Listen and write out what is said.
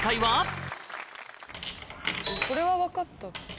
これは分かった。